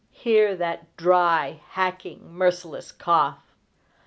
Hear that dry, hacking, merciless cough!